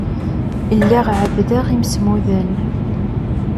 Lliɣ ɛebbdeɣ imsemmuden.